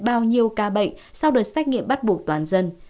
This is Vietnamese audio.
bao nhiêu ca bệnh sau đợt xét nghiệm bắt buộc toàn dân